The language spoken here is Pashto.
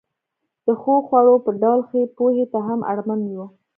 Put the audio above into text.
د ښو خوړو په ډول ښې پوهې ته هم اړمن یو.